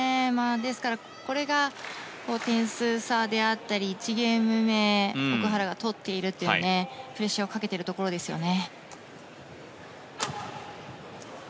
ですからこれが点数差であったり１ゲーム目、奥原選手が取っているということでプレッシャーをかけているところですよね。